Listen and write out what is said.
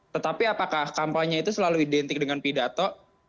tetapi apakah kampanye itu selalu identik dengan pidato